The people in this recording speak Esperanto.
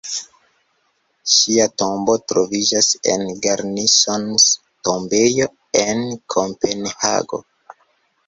Ŝia tombo troviĝas en Garnisons-Tombejo, en Kopenhago.